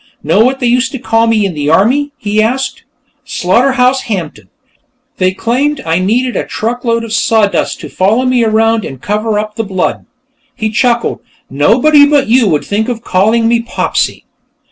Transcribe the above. "Know what they used to call me in the Army?" he asked. "Slaughterhouse Hampton. They claimed I needed a truckload of sawdust to follow me around and cover up the blood." He chuckled. "Nobody but you would think of calling me Popsy."